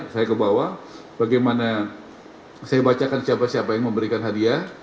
saya ke bawah bagaimana saya bacakan siapa siapa yang memberikan hadiah